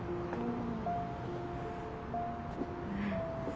うん。